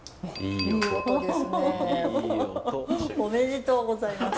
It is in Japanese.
いい音！おめでとうございます。